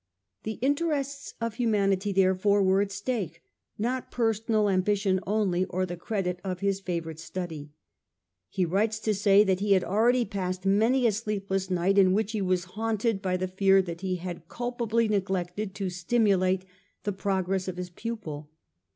The interests of humanity therefore were at stake, not personal ambition only, or the credit of his favourite study. He writes to say that he had already passed many a sleepless night, in which he was haunted by the fear that he had culpably neglected to stimulate the progress of his pupil.